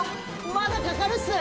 まだかかるっす。